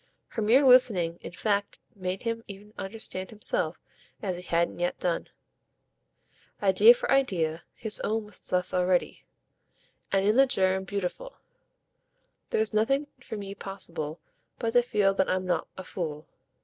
Her mere listening in fact made him even understand himself as he hadn't yet done. Idea for idea, his own was thus already, and in the germ, beautiful. "There's nothing for me possible but to feel that I'm not a fool.